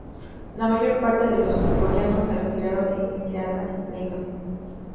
La mayor parte de los surcoreanos se retiraron iniciada la invasión.